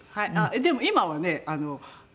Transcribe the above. でも今はね